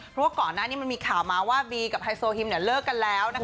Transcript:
เพราะก่อนนานนี้มันมีข่าวมาว่าบีกับไฮโซฮิมเนี่ยเลิกกันแล้วนะคะ